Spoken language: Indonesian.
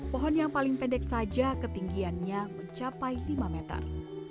pohon yang paling pendek saja ketinggiannya mencapai lima meter